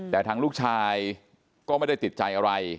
แต่ทางลูกชายก็ไม่ได้ติดใจอะไร